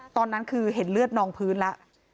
ตอนนั้นคือเห็นเลือดนองพื้นแล้ว